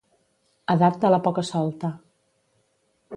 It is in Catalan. Edat de la poca-solta.